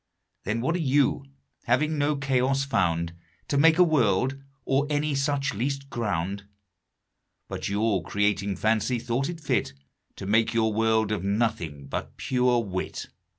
Then what are You, having no Chaos found To make a World, or any such least ground? But your Creating Fancy, thought it fit To make your World of Nothing, but pure Wit.